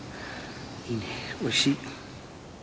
いいねおいしい。